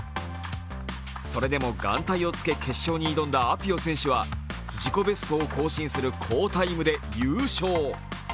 それでも眼帯をつけ決勝に挑んだアピオ選手は自己ベストを更新する好タイムで優勝。